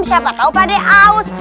siapa tau padeh aus